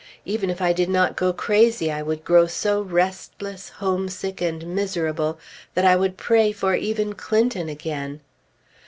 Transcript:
Even if I did not go crazy, I would grow so restless, homesick, and miserable, that I would pray for even Clinton again.